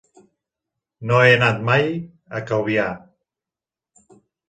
No he anat mai a Calvià.